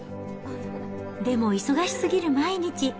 でも忙しすぎる毎日。